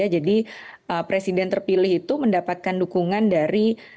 jadi presiden terpilih itu mendapatkan dukungan dari